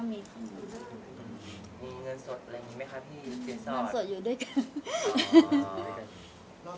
รอบนี้ก็คือไม่ได้มีสิทธิ์สอดอะไร